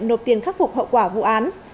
nộp tiền khắc phục hậu quả vụ án